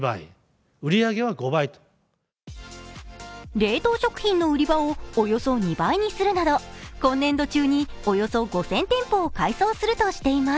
冷凍食品の売り場をおよそ２倍にするなど今年度中におよそ５０００店舗を改装するとしています。